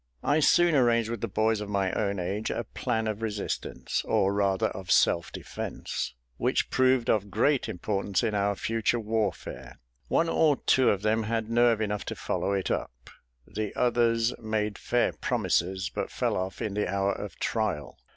I soon arranged with the boys of my own age a plan of resistance, or rather of self defence, which proved of great importance in our future warfare. One or two of them had nerve enough to follow it up: the others made fair promises, but fell off in the hour of trial.